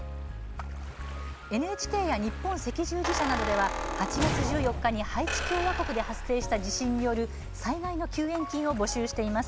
ＮＨＫや日本赤十字社などでは８月１４日にハイチ共和国で発生した地震による災害の救援金を募集しています。